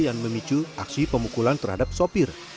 yang memicu aksi pemukulan terhadap sopir